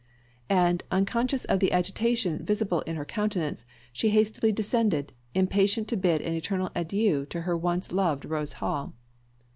And, unconscious of the agitation visible in her countenance, she hastily descended, impatient to bid an eternal adieu to her once loved Rose Hall.